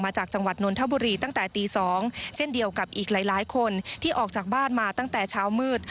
จากจังหวัดนนทบุรีตั้งแต่ตี๒เช่นเดียวกับอีกหลายคนที่ออกจากบ้านมาตั้งแต่เช้ามืด